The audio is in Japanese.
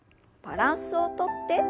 バランスをとって。